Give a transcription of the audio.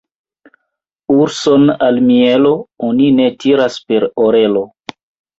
Urson al mielo oni ne tiras per orelo.